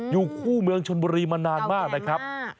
อยู่คู่เมืองชนบุรีมานานมากนะครับ